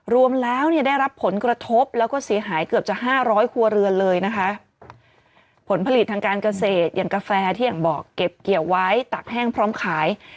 รวมแล้วเนี่ยได้รับผลกระทบแล้วก็เสียหายเกือบจะห้าร้อยครัวเรือนเลยนะคะผลผลิตทางการเกษตรอย่างกาแฟที่อย่างบอกเก็บเกี่ยวไว้ตักแห้งพร้อมขาย